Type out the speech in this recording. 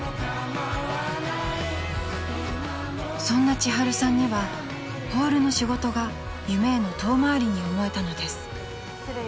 ［そんな千春さんにはホールの仕事が夢への遠回りに思えたのです］